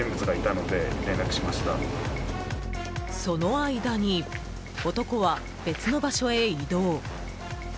その間に、男は別の場所へ移動。